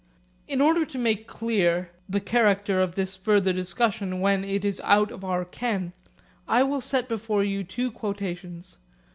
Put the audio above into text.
In order to make clear the character of this further discussion which is out of our ken, I will set before you two quotations.